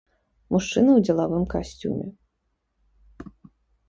Мужчына ў дзелавым касцюме.